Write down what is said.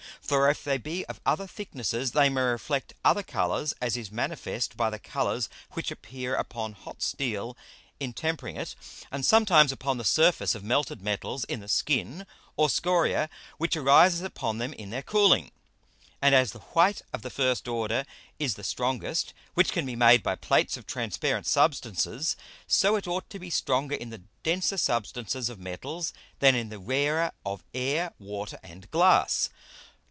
For, if they be of other Thicknesses they may reflect other Colours, as is manifest by the Colours which appear upon hot Steel in tempering it, and sometimes upon the Surface of melted Metals in the Skin or Scoria which arises upon them in their cooling. And as the white of the first order is the strongest which can be made by Plates of transparent Substances, so it ought to be stronger in the denser Substances of Metals than in the rarer of Air, Water, and Glass.